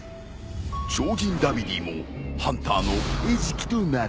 超人ダビディもハンターの餌食となった。